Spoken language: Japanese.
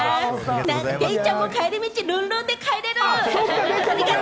デイちゃんも帰り道ルンルンで帰れる！